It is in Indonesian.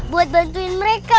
buat bantuin mereka